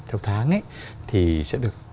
theo tháng thì sẽ được